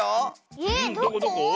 えっどこ？